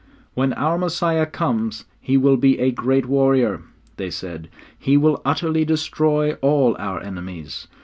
'When our Messiah comes He will be a great warrior,' they said. 'He will utterly destroy all our enemies.